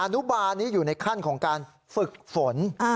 นุบาลนี้อยู่ในขั้นของการฝึกฝน